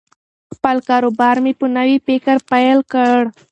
خپل کاروبار مې په نوي فکر پیل کړ.